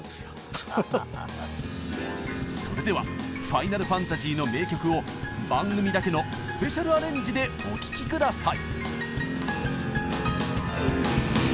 それでは「ファイナルファンタジー」の名曲を番組だけのスペシャルアレンジでお聴き下さい！